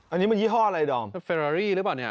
อันนี้มันยี่ห้ออะไรดอมเป็นเฟรอรี่หรือเปล่าเนี่ย